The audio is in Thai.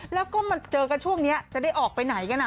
แล้วก็มาเจอกันช่วงนี้จะได้ออกไปไหนกัน